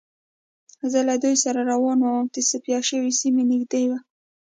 زه له دوی سره روان وم او تصفیه شوې سیمه نږدې وه